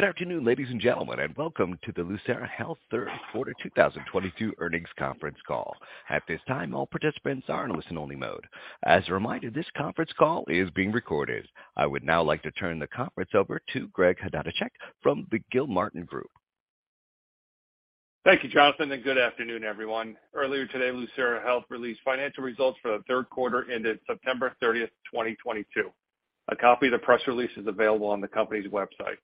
Good afternoon, ladies and gentlemen, and welcome to the Lucira Health Third Quarter 2022 earnings conference call. At this time, all participants are in listen only mode. As a reminder, this conference call is being recorded. I would now like to turn the conference over to Greg Chodaczek from the Gilmartin Group. Thank you, Jonathan, and good afternoon, everyone. Earlier today, Lucira Health released financial results for the third quarter ended September 30, 2022. A copy of the press release is available on the company's website.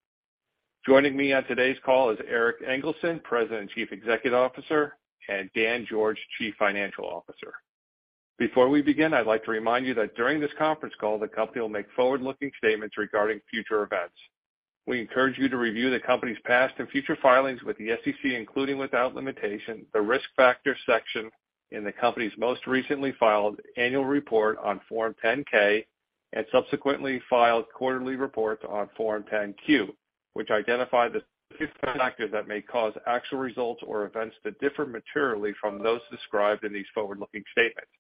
Joining me on today's call is Erik Engelson, President and Chief Executive Officer, and Dan George, Chief Financial Officer. Before we begin, I'd like to remind you that during this conference call, the company will make forward-looking statements regarding future events. We encourage you to review the company's past and future filings with the SEC, including without limitation, the risk factors section in the company's most recently filed annual report on Form 10-K and subsequently filed quarterly reports on Form 10-Q, which identify the risk factors that may cause actual results or events to differ materially from those described in these forward-looking statements.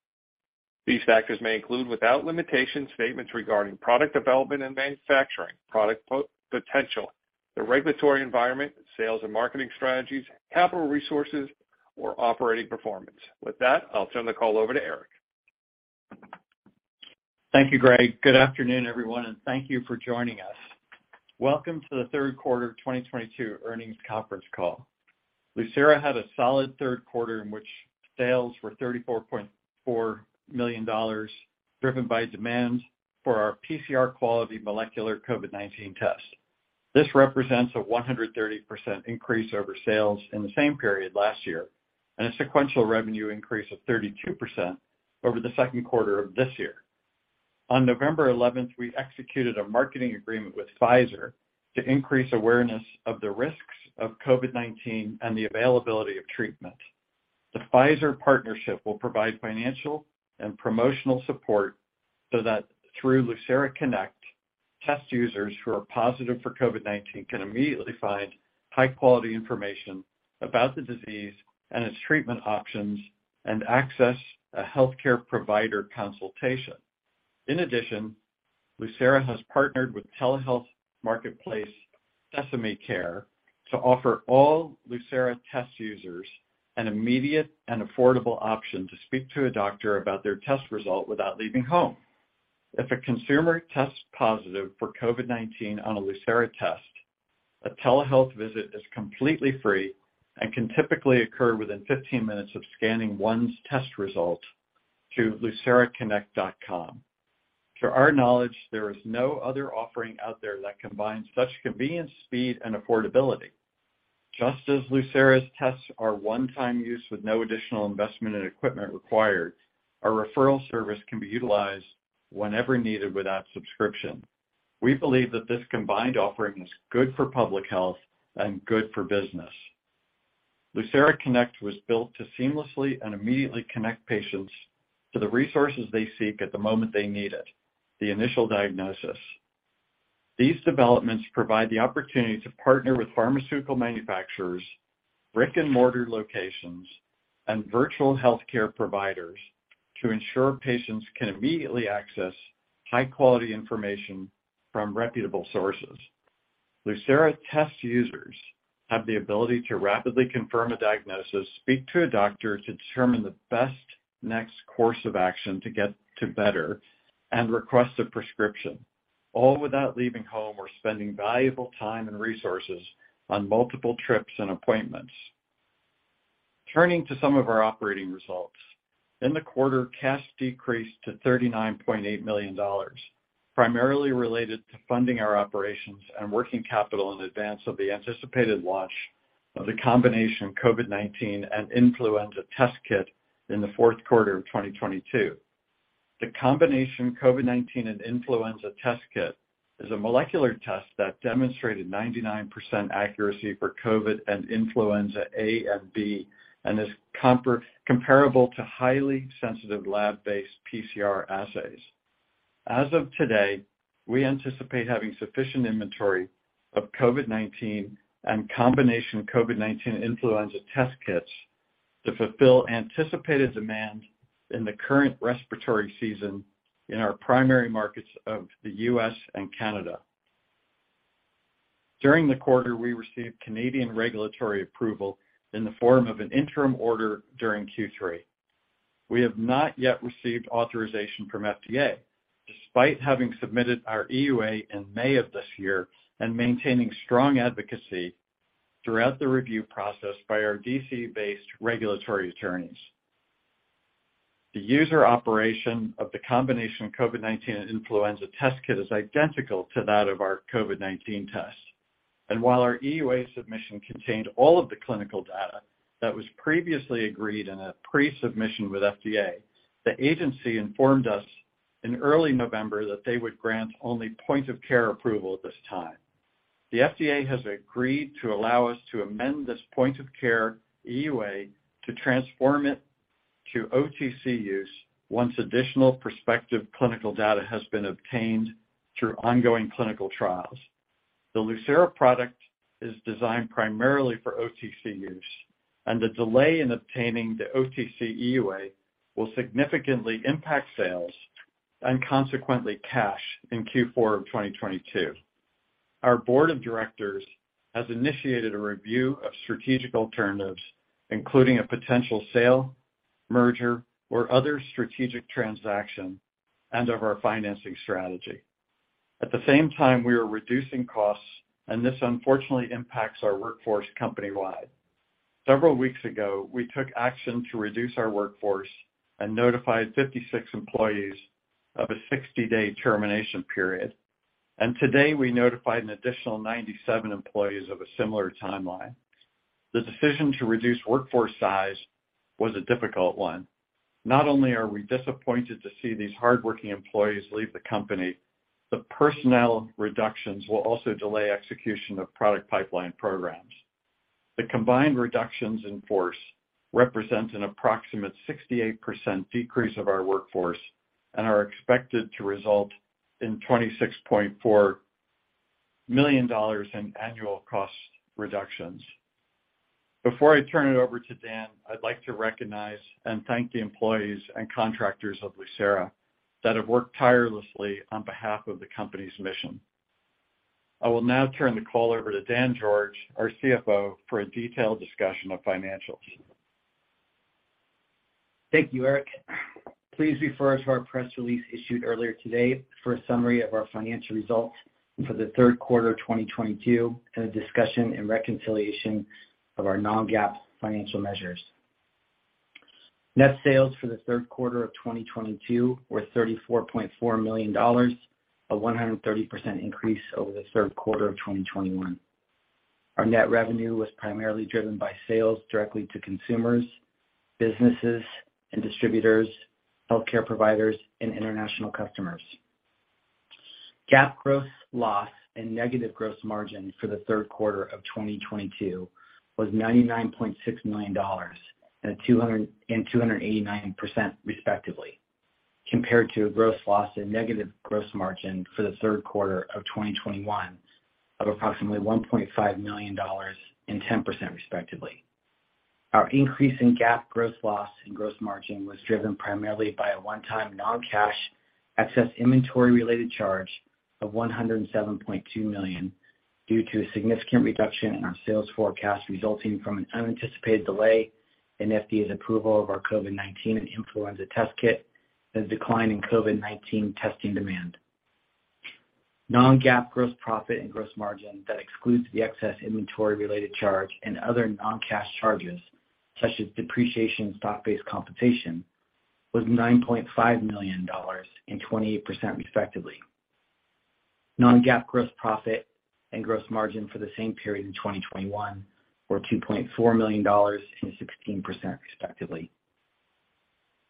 These factors may include, without limitation, statements regarding product development and manufacturing, product potential, the regulatory environment, sales and marketing strategies, capital resources, or operating performance. With that, I'll turn the call over to Erik. Thank you, Greg. Good afternoon, everyone, and thank you for joining us. Welcome to the Third Quarter of 2022 earnings conference call. Lucira had a solid third quarter in which sales were $34.4 million, driven by demand for our PCR-quality Molecular COVID-19 test. This represents a 130% increase over sales in the same period last year and a sequential revenue increase of 32% over the second quarter of this year. On November 11th, we executed a marketing agreement with Pfizer to increase awareness of the risks of COVID-19 and the availability of treatment. The Pfizer partnership will provide financial and promotional support so that through Lucira Connect, test users who are positive for COVID-19 can immediately find high quality information about the disease and its treatment options and access a healthcare provider consultation. In addition, Lucira has partnered with telehealth marketplace Sesame to offer all Lucira test users an immediate and affordable option to speak to a doctor about their test result without leaving home. If a consumer tests positive for COVID-19 on a Lucira test, a telehealth visit is completely free and can typically occur within 15 minutes of scanning one's test result through luciraconnect.com. To our knowledge, there is no other offering out there that combines such convenience, speed and affordability. Just as Lucira's tests are one-time use with no additional investment in equipment required, our referral service can be utilized whenever needed without subscription. We believe that this combined offering is good for public health and good for business. Lucira Connect was built to seamlessly and immediately connect patients to the resources they seek at the moment they need it, the initial diagnosis. These developments provide the opportunity to partner with pharmaceutical manufacturers, brick and mortar locations, and virtual healthcare providers to ensure patients can immediately access high quality information from reputable sources. Lucira test users have the ability to rapidly confirm a diagnosis, speak to a doctor to determine the best next course of action to get to better, and request a prescription, all without leaving home or spending valuable time and resources on multiple trips and appointments. Turning to some of our operating results. In the quarter, cash decreased to $39.8 million, primarily related to funding our operations and working capital in advance of the anticipated launch of the combination COVID-19 and influenza test kit in the fourth quarter of 2022. The combination COVID-19 and influenza test kit is a molecular test that demonstrated 99% accuracy for COVID and Influenza A and B, and is comparable to highly sensitive lab-based PCR assays. As of today, we anticipate having sufficient inventory of COVID-19 and combination COVID-19 influenza test kits to fulfill anticipated demand in the current respiratory season in our primary markets of the U.S. and Canada. During the quarter, we received Canadian regulatory approval in the form of an interim order during Q3. We have not yet received authorization from FDA, despite having submitted our EUA in May of this year and maintaining strong advocacy throughout the review process by our D.C.-based regulatory attorneys. The use operation of the combination COVID-19 and influenza test kit is identical to that of our COVID-19 test. While our EUA submission contained all of the clinical data that was previously agreed in a pre-submission with FDA, the agency informed us in early November that they would grant only point of care approval at this time. The FDA has agreed to allow us to amend this point of care EUA to transform it to OTC use once additional prospective clinical data has been obtained through ongoing clinical trials. The Lucira product is designed primarily for OTC use, and the delay in obtaining the OTC EUA will significantly impact sales and consequently, cash in Q4 of 2022. Our board of directors has initiated a review of strategic alternatives, including a potential sale, merger, or other strategic transaction and of our financing strategy. At the same time, we are reducing costs, and this, unfortunately, impacts our workforce company-wide. Several weeks ago, we took action to reduce our workforce and notified 56 employees of a 60-day termination period. Today we notified an additional 97 employees of a similar timeline. The decision to reduce workforce size was a difficult one. Not only are we disappointed to see these hardworking employees leave the company, the personnel reductions will also delay execution of product pipeline programs. The combined reductions in force represents an approximate 68% decrease of our workforce and are expected to result in $26.4 million in annual cost reductions. Before I turn it over to Dan, I'd like to recognize and thank the employees and contractors of Lucira that have worked tirelessly on behalf of the company's mission. I will now turn the call over to Dan George, our CFO, for a detailed discussion of financials. Thank you, Erik. Please refer to our press release issued earlier today for a summary of our financial results for the third quarter of 2022 and a discussion and reconciliation of our non-GAAP financial measures. Net sales for the third quarter of 2022 were $34.4 million, a 130% increase over the third quarter of 2021. Our net revenue was primarily driven by sales directly to consumers, businesses, and distributors, healthcare providers, and international customers. GAAP gross loss and negative gross margin for the third quarter of 2022 was $99.6 million and -289%, respectively, compared to a gross loss and negative gross margin for the third quarter of 2021 of approximately $1.5 million and 10%, respectively. Our increase in GAAP gross loss and gross margin was driven primarily by a one-time non-cash excess inventory-related charge of $107.2 million due to a significant reduction in our sales forecast resulting from an unanticipated delay in FDA's approval of our COVID-19 and influenza test kit and a decline in COVID-19 testing demand. Non-GAAP gross profit and gross margin that excludes the excess inventory-related charge and other non-cash charges, such as depreciation stock-based compensation, was $9.5 million and 28%, respectively. Non-GAAP gross profit and gross margin for the same period in 2021 were $2.4 million and 16%, respectively.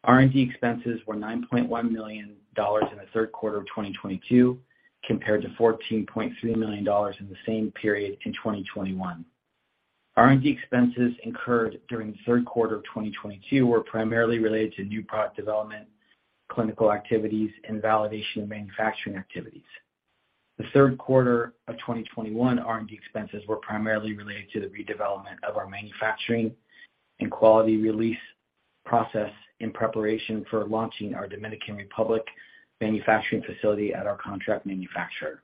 R&D expenses were $9.1 million in the third quarter of 2022 compared to $14.3 million in the same period in 2021. R&D expenses incurred during the third quarter of 2022 were primarily related to new product development, clinical activities, and validation of manufacturing activities. The third quarter of 2021 R&D expenses were primarily related to the redevelopment of our manufacturing and quality release process in preparation for launching our Dominican Republic manufacturing facility at our contract manufacturer.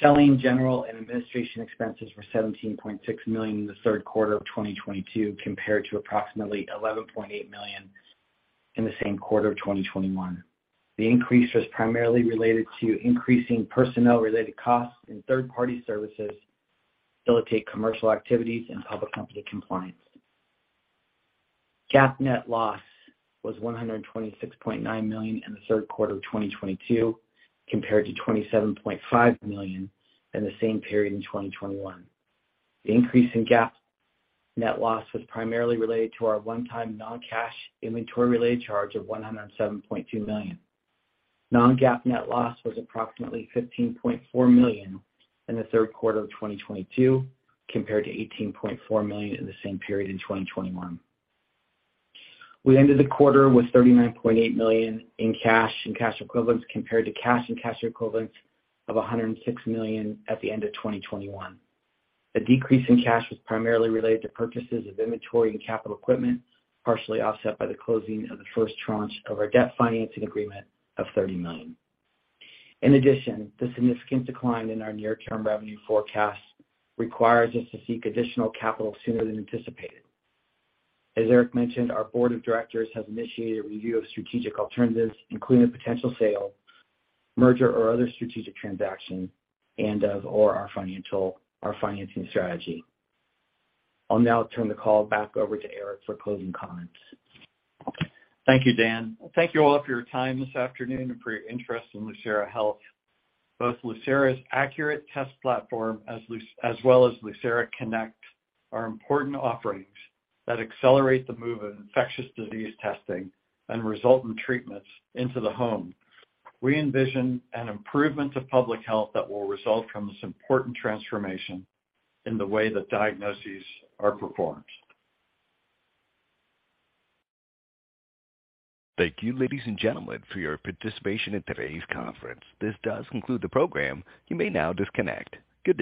Selling, general, and administration expenses were $17.6 million in the third quarter of 2022 compared to approximately $11.8 million in the same quarter of 2021. The increase was primarily related to increasing personnel-related costs and third-party services to facilitate commercial activities and public company compliance. GAAP net loss was $126.9 million in the third quarter of 2022 compared to $27.5 million in the same period in 2021. The increase in GAAP net loss was primarily related to our one-time non-cash inventory-related charge of $107.2 million. Non-GAAP net loss was approximately $15.4 million in the third quarter of 2022 compared to $18.4 million in the same period in 2021. We ended the quarter with $39.8 million in cash and cash equivalents compared to cash and cash equivalents of $106 million at the end of 2021. The decrease in cash was primarily related to purchases of inventory and capital equipment, partially offset by the closing of the first tranche of our debt financing agreement of $30 million. In addition, the significant decline in our near-term revenue forecast requires us to seek additional capital sooner than anticipated. As Erik mentioned, our board of directors has initiated a review of strategic alternatives, including a potential sale, merger, or other strategic transaction, and/or our financing strategy. I'll now turn the call back over to Erik for closing comments. Thank you, Dan. Thank you all for your time this afternoon and for your interest in Lucira Health. Both Lucira's Accurate test platform as well as Lucira Connect are important offerings that accelerate the move of infectious disease testing and result in treatments into the home. We envision an improvement to public health that will result from this important transformation in the way that diagnoses are performed. Thank you, ladies and gentlemen, for your participation in today's conference. This does conclude the program. You may now disconnect. Good day.